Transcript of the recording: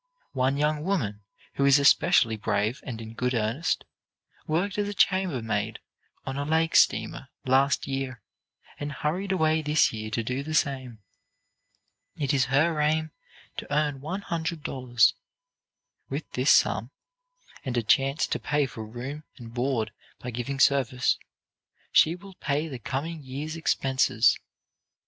One young woman, who is especially brave and in good earnest, worked as a chambermaid on a lake steamer last year and hurried away this year to do the same. It is her aim to earn one hundred dollars. With this sum, and a chance to pay for room and board by giving service, she will pay the coming year's expenses.